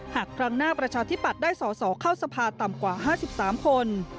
หากครั้งหน้าประชาธิปัตย์ได้สอสอเข้าสภาต่ำกว่า๕๓คน